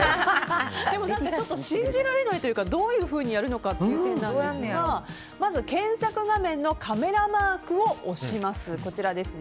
でもちょっと信じられないというかどういうふうにやるのかという点なんですがまず検索画面のカメラマークを押します。